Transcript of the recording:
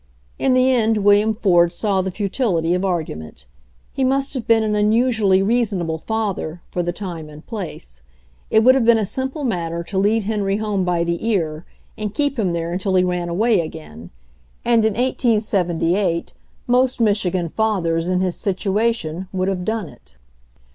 In the end William Ford saw the futility of ar gument. He must have been an unusually rea sonable father, for the time and place. It would have been a simple matter to lead Henry home by the ear and keep him there until he ran away again, and in 1878 most Michigan fathers in his situation would have done it.